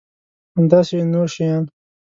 همداسې نور شیان.